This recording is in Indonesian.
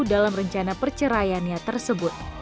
dalam rencana perceraiannya tersebut